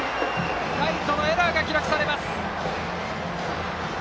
ライトのエラーが記録されます。